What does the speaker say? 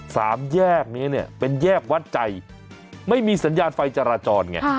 สามแยกนี้เนี่ยเป็นแยกวัดใจไม่มีสัญญาณไฟจราจรไง